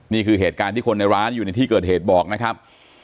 นี่คือเหตุการณ์ที่คนในร้านอยู่ในที่เกิดเหตุบอกนะครับ